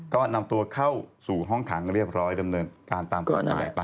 ก็นำตัวเข้าสู่ห้องขังเรียบร้อยดำเนินการตามกฎหมายไป